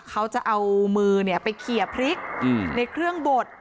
เขาจะเอามือเนี้ยไปเขียบพริกอืมในเครื่องบด